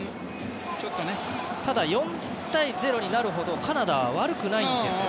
ただ、４対０になるほどカナダは悪くないんですよ。